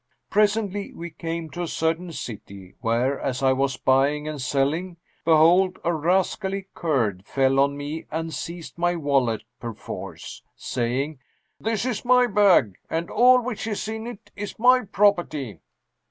Presently we came to a certain city, where, as I was buying and selling, behold, a rascally Kurd fell on me and seized my wallet perforce, saying, 'This is my bag, and all which is in it is my property.'